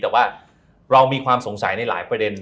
แต่ว่าเรามีความสงสัยในหลายประเด็น